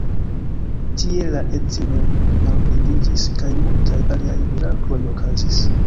Tie la edzino malblindiĝis kaj multaj aliaj mirakloj okazis.